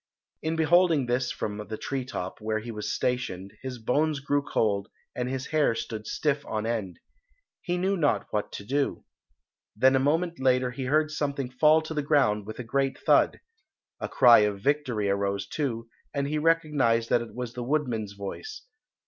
In beholding this from the tree top, where he was stationed, his bones grew cold and his hair stood stiff on end. He knew not what to do. Then a moment later he heard something fall to the ground with a great thud. A cry of victory arose too, and he recognized that it was the woodman's voice.